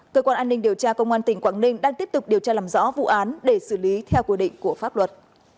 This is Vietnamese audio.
cơ quan an ninh điều tra công an tỉnh quảng ninh đang tiếp tục điều tra làm rõ vụ án để xử lý theo quy định của pháp luật